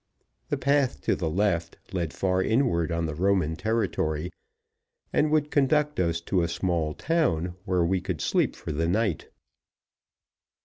The path to the left led far inward on the Roman territory, and would conduct us to a small town where we could sleep for the night.